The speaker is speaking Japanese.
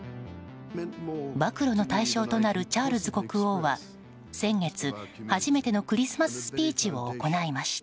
暴露の対象となるチャールズ国王は先月、初めてのクリスマススピーチを行いました。